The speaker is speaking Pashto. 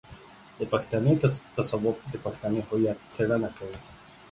د پښتني تصوف د پښتني هويت څېړنه کوي.